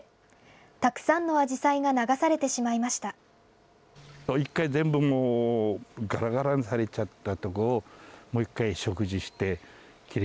たくさんのあじさいが流されてしまいました。